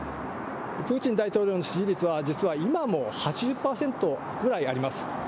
プーチン大統領の支持率は、実は今も８０％ぐらいあります。